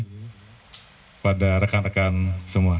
kepada rekan rekan semua